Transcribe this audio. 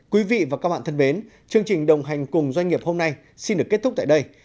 quý vị và các bạn thân mến chương trình đồng hành cùng doanh nghiệp hôm nay xin được kết thúc tại đây